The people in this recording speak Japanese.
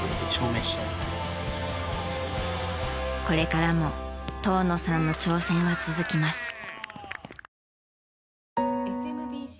これからも遠野さんの挑戦は続きます。